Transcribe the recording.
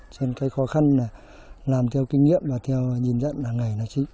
cho nên cái khó khăn là làm theo kinh nghiệm và theo nhìn dẫn là ngày nó chính